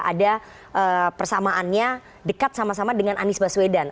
ada persamaannya dekat sama sama dengan anies baswedan